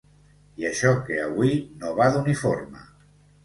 I això que avui no va d'uniforme.